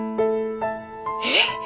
えっ！？